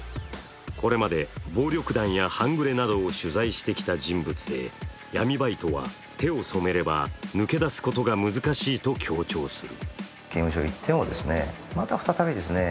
これまで暴力団や半グレなどを取材してきた人物で闇バイトは手を染めれば抜け出すことが難しいと強調する。